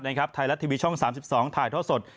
ไทยรัฐทีวีช่อง๓๒ถ่ายท่อสด